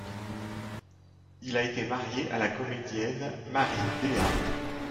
Il a été marié à la comédienne Marie Déa.